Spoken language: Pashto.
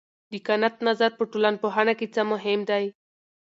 د کنت نظر په ټولنپوهنه کې څه مهم دی؟